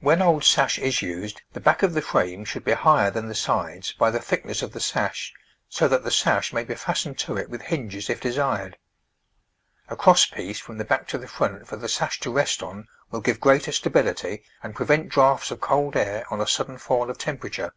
When old sash is used the back of the frame should be higher than the sides by the thickness of the sash, so that the sash may be fastened to it with hinges if desired. A cross piece from the back to the front for the sash to rest on will give greater stability and prevent draughts of cold air on a sudden fall of tem perature.